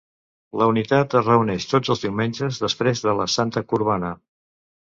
La unitat es reuneix tots els diumenges després de la Santa Qurbana.